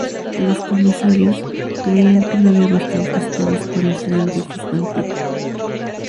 Los comisarios creían que no había bastante estados para hacer algo sustantivo.